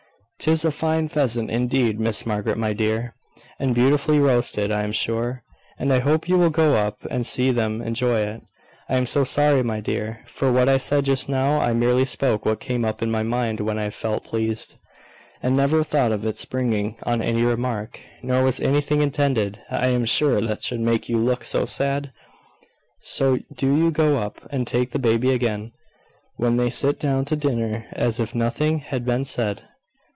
"'Tis a fine pheasant, indeed, Miss Margaret, my dear, and beautifully roasted, I am sure: and I hope you will go up and see them enjoy it. I am so sorry, my dear, for what I said just now. I merely spoke what came up in my mind when I felt pleased, and never thought of its bringing on any remark. Nor was anything intended, I am sure, that should make you look so sad: so do you go up, and take the baby again, when they sit down to dinner, as if nothing had been said.